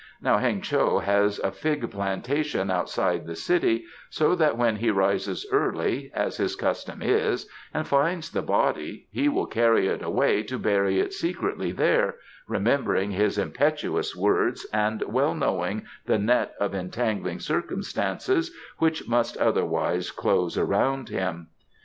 Now Heng cho has a fig plantation outside the city, so that when he rises early, as his custom is, and finds the body, he will carry it away to bury it secretly there, remembering his impetuous words and well knowing the net of entangling circumstances which must otherwise close around him.